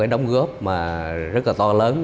đóng góp rất to lớn